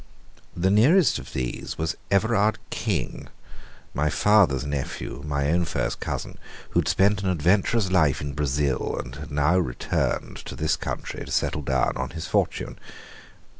The nearest of these was Everard King, my father's nephew and my own first cousin, who had spent an adventurous life in Brazil, and had now returned to this country to settle down on his fortune.